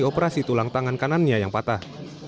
operasi tulang tangan kanannya yang patah